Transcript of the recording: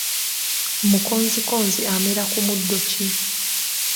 Mukonzikonzi amera ku muddo ki?